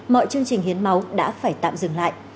mọi chương trình hiến máu đã phải tạm dừng lại